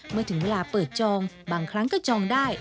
เมื่อถึงเวลาเปิดจองบางครั้งก็จองได้